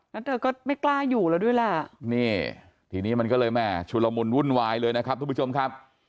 แล้วเธอก็ไม่กล้าอยู่แล้วด้วยแหละนี่ทีนี้มันก็เลยแม่ชุลมุนวุ่นวายเลยนะครับทุกผู้ชมครับ